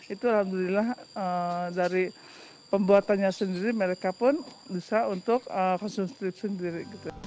itu alhamdulillah dari pembuatannya sendiri mereka pun bisa untuk konsumsi sendiri